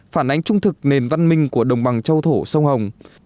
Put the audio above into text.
phản ánh trung thực nền văn minh của đồng bằng châu thổ sông hồng